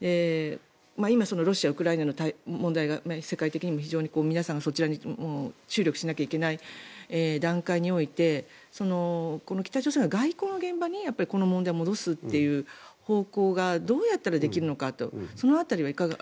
今、ロシア、ウクライナの問題が世界的にも皆さんがそちらに注力しなきゃいけない段階において北朝鮮が外交の現場に戻すという方向がどうやったらできるのかと。